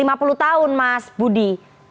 di atas lima puluh tahun mas budi